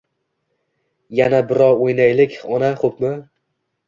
Yana biroa o'ynaylik, ona. Xo'pmi?